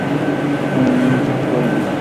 আমার মেয়ে কেন কল দিচ্ছে?